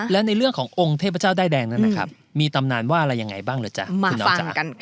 แล้วในเรื่องขององค์เทพเจ้าได้แดงนั้นนะครับมีตำนานว่าอะไรอย่างไรบ้างเลยจ๊ะ